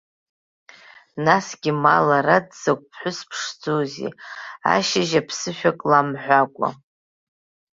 Насгьы ма лара дзакә ԥҳәыс ԥшӡоузеи, ашьыжь аԥсышәак ламҳәакәа.